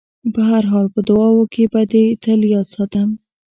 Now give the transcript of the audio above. په هر حال په دعاوو کې به دې تل یاد ساتم.